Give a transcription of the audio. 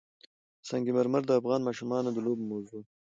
سنگ مرمر د افغان ماشومانو د لوبو موضوع ده.